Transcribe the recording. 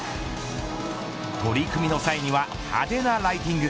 取り組みの際には派手なライティング。